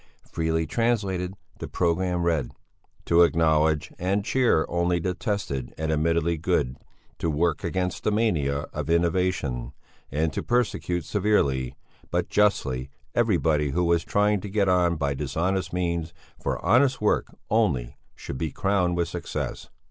Freely translated the programme read: to acknowledge and cheer only the tested and admittedly good, to work against the mania of innovation, and to persecute severely, but justly, everybody who was trying to get on by dishonest means, for honest work only should be crowned with success.